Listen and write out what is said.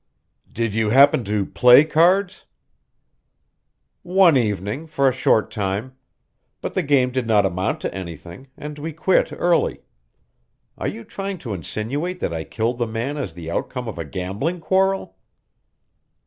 "Did you happen to play cards?" "One evening, for a short time. But the game did not amount to anything, and we quit early. Are you trying to insinuate that I killed the man as the outcome of a gambling quarrel?"